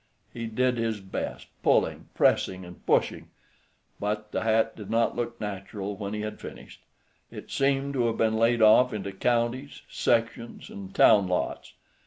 He did his best, pulling, pressing, and pushing, but the hat did not look natural when he had finished. It seemed to have been laid off into counties, sections, and town lots.